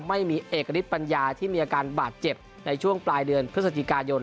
ไม่มีเอกฤทธปัญญาที่มีอาการบาดเจ็บในช่วงปลายเดือนพฤศจิกายน